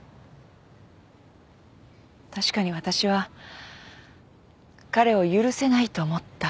確かに私は彼を許せないと思った。